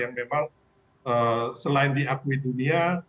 dan itu adalah negara yang sangat besar yang memang selain diakui dunia